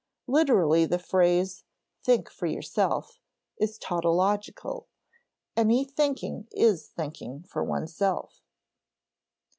Literally, the phrase "Think for yourself" is tautological; any thinking is thinking for one's self.